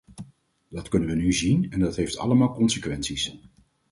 Dat kunnen we nu zien en dat heeft allemaal consequenties.